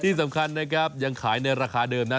ที่สำคัญนะครับยังขายในราคาเดิมนะ